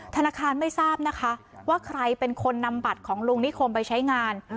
ธนาคารไม่ทราบนะคะว่าใครเป็นคนนำบัตรของลุงนิคมไปใช้งาน